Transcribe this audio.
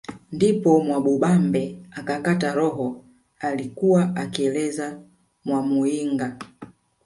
Ndipo Mwamubambe akakata roho alikuwa akieleza Mwamuyinga